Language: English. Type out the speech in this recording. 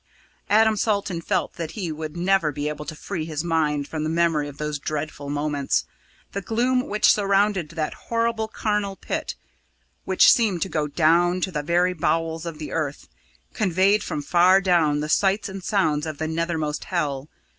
Adam Salton felt that he would never be able to free his mind from the memory of those dreadful moments. The gloom which surrounded that horrible charnel pit, which seemed to go down to the very bowels of the earth, conveyed from far down the sights and sounds of the nethermost hell.